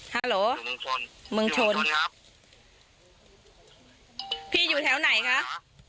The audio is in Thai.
ฮัลโหลมึงชนมึงชนครับพี่อยู่แถวไหนคะอ่า